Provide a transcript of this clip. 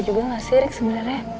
juga gak sih rik sebenernya